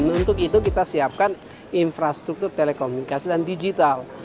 untuk itu kita siapkan infrastruktur telekomunikasi dan digital